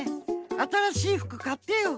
あたらしい服かってよ。